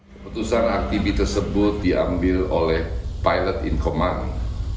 keputusan aktivis tersebut diambil oleh pilot in commerce